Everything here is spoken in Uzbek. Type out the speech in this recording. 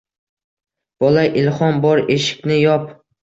Bola: Ilxom bor eshikni yop.